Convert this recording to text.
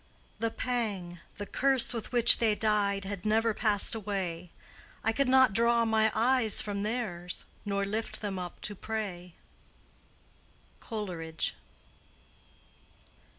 "The pang, the curse with which they died, Had never passed away: I could not draw my eyes from theirs, Nor lift them up to pray." —COLERIDGE.